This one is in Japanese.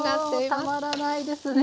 もうたまらないですね。